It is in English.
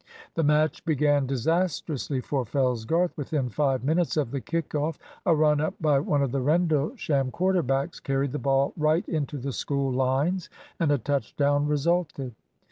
The match began disastrously for Fellsgarth. Within five minutes of the kick off, a run up by one of the Rendlesham quarter backs carried the ball right into the School lines, and a touch down resulted.